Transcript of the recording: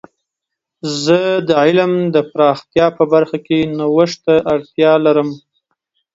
زه د علم د پراختیا په برخه کې نوښت ته اړتیا لرم.